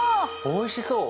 おいしそう！